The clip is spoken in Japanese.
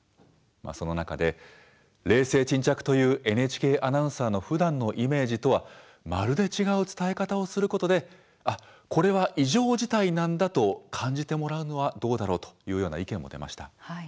その中で、冷静沈着というＮＨＫアナウンサーのふだんのイメージとはまるで違う伝え方をすることでこれは異常事態なんだと感じてもらうのはどうだろうというような意見も出ました。